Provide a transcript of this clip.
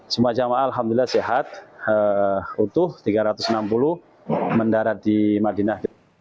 semua jemaah alhamdulillah sehat utuh tiga ratus enam puluh mendarat di madinah